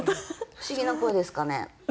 不思議ですかね？